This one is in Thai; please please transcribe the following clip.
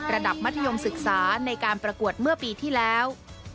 มัธยมศึกษาในการประกวดเมื่อปีที่แล้ว